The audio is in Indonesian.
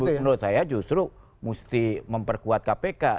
dan justru menurut saya justru mesti memperkuat kpk